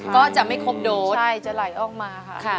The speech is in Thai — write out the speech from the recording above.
ก็จะไม่ครบโดสจะไหลออกมาค่ะ